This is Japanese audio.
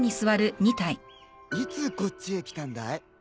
いつこっちへ来たんだい？